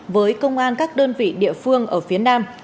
với công an các đơn vị địa phương ở phía nam